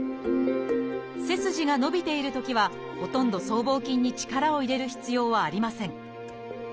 背筋が伸びているときはほとんど僧帽筋に力を入れる必要はありません。